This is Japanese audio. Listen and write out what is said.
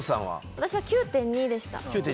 私は９．２でした。